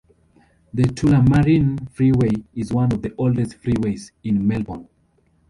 The Tullamarine Freeway is one of the oldest freeways in Melbourne.